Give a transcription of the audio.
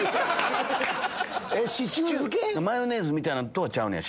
マヨネーズみたいなのとはちゃうねや？